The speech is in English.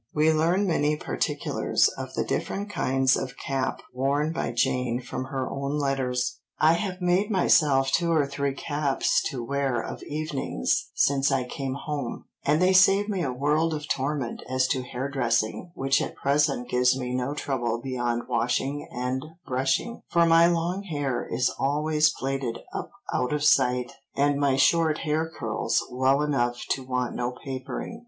We learn many particulars of the different kinds of cap worn by Jane from her own letters. "I have made myself two or three caps to wear of evenings since I came home, and they save me a world of torment as to hairdressing which at present gives me no trouble beyond washing and brushing, for my long hair is always plaited up out of sight, and my short hair curls well enough to want no papering."